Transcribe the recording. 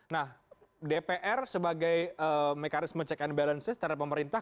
nah dpr sebagai mekanisme check and balances terhadap pemerintah